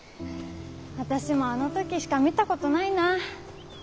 私もあの時しか見たことないな。